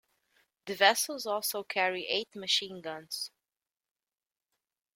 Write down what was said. The vessels also carry eight machine guns.